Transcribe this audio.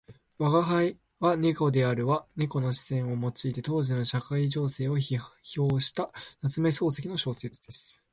「吾輩は猫である」は猫の視線を用いて当時の社会情勢を批評した夏目漱石の小説です。